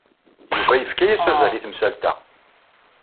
Yuba yefka-as azal i temsalt-a.